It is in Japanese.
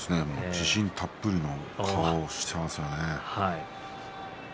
自信たっぷりの顔をしていますね。